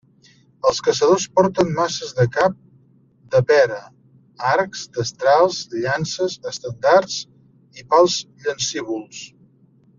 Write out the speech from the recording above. Els caçadors porten maces de cap de pera, arcs, destrals, llances, estendards i pals llancívols.